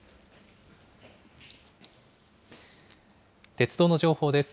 鉄道の情報です。